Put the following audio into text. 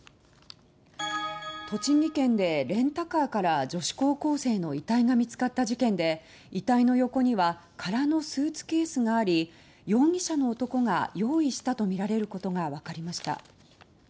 栃木県でレンタカーから女子高校生の遺体が見つかった事件で遺体の横には空のスーツケースがあり容疑者の男が用意したとみられることが分かりました。